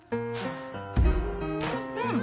うん。